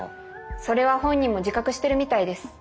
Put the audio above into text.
それは本人も自覚してるみたいです。